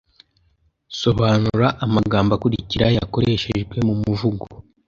Sobanura amagambo akurikira yakoreshejwe mu muvugo: